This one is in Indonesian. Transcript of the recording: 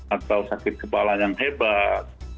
atau sakit kepala yang hebat